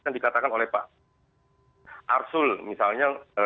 yang dikatakan oleh pak arsul misalnya